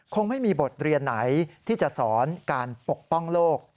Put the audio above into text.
คงไม่มีบทเรียนไหนที่จะสอนการปกป้องโลก